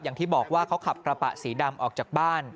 อย่างที่บอกว่าเขาขับกระบะสีดำออกจากบ้าน